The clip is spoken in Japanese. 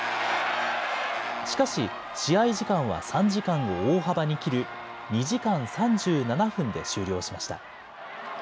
しかし、試合時間は３時間を大幅に切る、２時間３７分で終了しました。